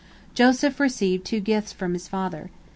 " Joseph received two gifts from his father.